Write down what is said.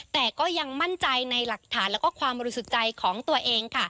แต่ก็ยังมั่นใจในหลักฐานและความรู้สึกใจของตัวเอง